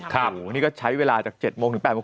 นี่ก็ใช้เวลาจาก๗โมงถึง๘โมง